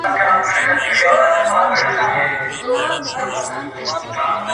نیکه د ژمي په اوږدو شپو کي کیسې کولې-